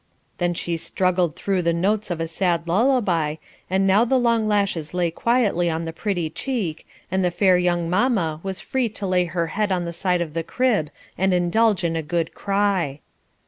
Then she struggled through the notes of a sad lullaby, and now the long lashes lay quietly on the pretty cheek, and the fair young mamma was free to lay her head on the side of the crib and indulge in a good cry.